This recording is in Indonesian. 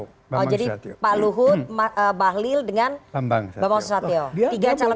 oh jadi pak luhut bahlil dengan bambang sato